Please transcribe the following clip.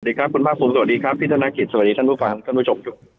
สวัสดีครับคุณภาพภูมิสวัสดีครับพี่ธนาคิตสวัสดีท่านผู้ฟังท่านผู้ชม